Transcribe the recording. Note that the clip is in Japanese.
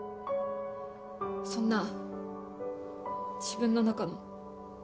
そんな自分の中の。